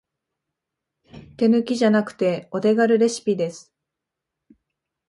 手抜きじゃなくてお手軽レシピです